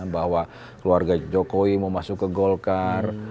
bahwa keluarga jokowi mau masuk ke golkar